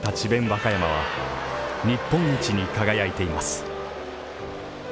和歌山は日本一に輝いています。